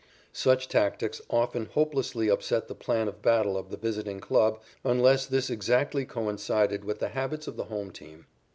Such tactics often hopelessly upset the plan of battle of the visiting club unless this exactly coincided with the habits of the home team.